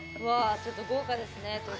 ちょっと豪華ですね。